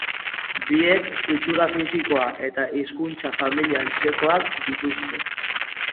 Biek itxura fisikoa eta hizkuntza-familia antzekoak dituzte.